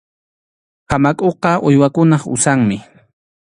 Hamakʼuqa uywakunap usanmi.